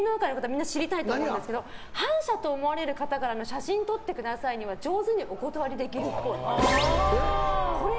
みんな知りたいと思うんですが反社と思われる方からの写真撮ってくださいは上手にお断りできるっぽい。